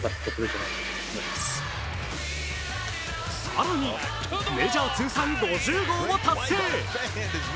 更にメジャー通算５０号を達成。